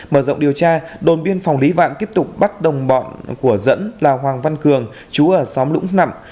mở rộng điều tra đồn biên phòng lý vạn tiếp tục bắt đồng bọn của dẫn là hoàng văn cường chú ở xóm lũng nặng